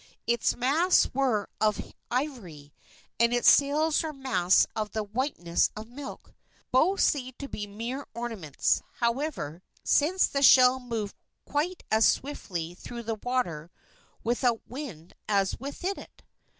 Its masts were of ivory, and its sails were mats of the whiteness of milk. Both seemed to be mere ornaments, however, since the shell moved quite as swiftly through the water without wind as with it.